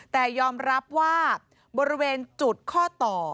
แต่ยอมรับว่าบริเวณจุดข้อต่อ